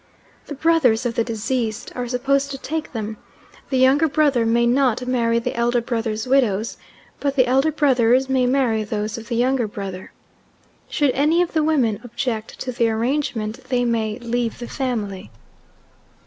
The brothers of the deceased are supposed to take them the younger brother may not marry the elder brother's widows, but the elder brothers may marry those of the younger brother. Should any of the women object to the arrangement, they may "leave the family."